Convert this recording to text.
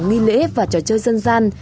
nghi lễ và trò chơi dân gian